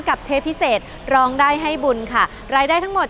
เชฟพิเศษร้องได้ให้บุญค่ะรายได้ทั้งหมด